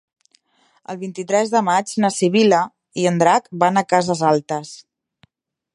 El vint-i-tres de maig na Sibil·la i en Drac van a Cases Altes.